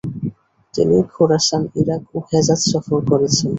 তিনি Khorasan, Iraq ও Hejaz সফর করেছেন।